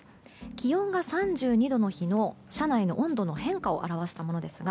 気温が３２度の日の車内の温度の変化を表したものですが